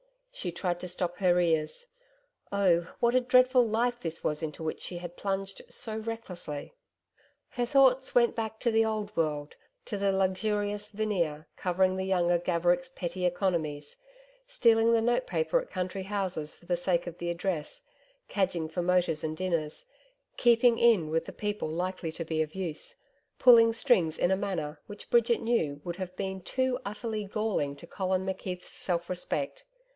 She tried to stop her ears .... Oh what a dreadful life this was into which she had plunged so recklessly! Her thoughts went back to the old world to the luxurious veneer covering the younger Gavericks' petty economies stealing the notepaper at country houses for the sake of the address cadging for motors and dinners 'keeping in' with the people likely to be of use; pulling strings in a manner which Bridget knew would have been too utterly galling to Colin McKeith's self respect.